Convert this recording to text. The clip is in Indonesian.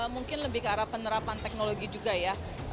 mungkin lebih ke arah penerapan teknologi juga ya